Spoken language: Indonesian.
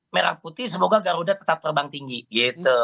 merah putih semoga garuda tetap terbang tinggi gitu